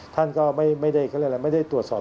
ท่านก็ไม่ได้ตรวจสอบ